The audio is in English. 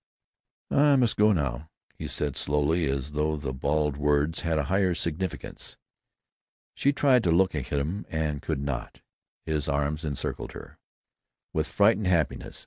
"I must go now," he said, slowly, as though the bald words had a higher significance. She tried to look at him, and could not. His arms circled her, with frightened happiness.